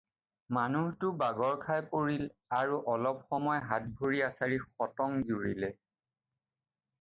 মানুহটো বাগৰ খাই পৰিল আৰু অলপ সময় হাত-ভৰি আছাৰি সটং জুৰিলে।